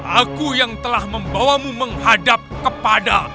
aku yang telah membawamu menghadap kepada